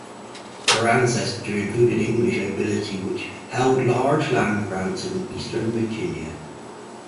Her ancestry included English nobility which held large land grants in eastern Virginia.